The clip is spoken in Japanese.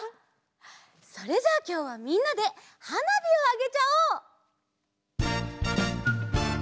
それじゃあきょうはみんなではなびをあげちゃおう！